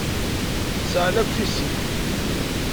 Sεan akk tissit.